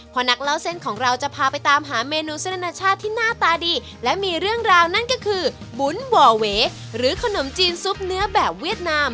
เพราะนักเล่าเส้นของเราจะพาไปตามหาเมนูเส้นอนาชาติที่หน้าตาดีและมีเรื่องราวนั่นก็คือบุ๋นบ่อเวหรือขนมจีนซุปเนื้อแบบเวียดนาม